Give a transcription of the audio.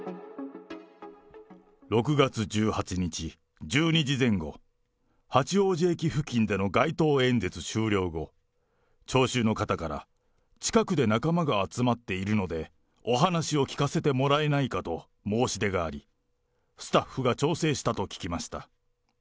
６月１８日１２時前後、八王子駅付近での街頭演説終了後、聴衆の方から、近くで仲間が集まっているのでお話を聞かせてもらえないかと申し出があり、スタッフが調整したと聞きました。